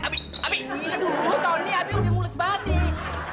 abi abi aduh tony abi udah mulus banget nih